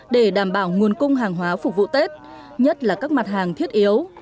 để đảm bảo nguồn cung hàng hóa phục vụ tết nhất là các mặt hàng thiết yếu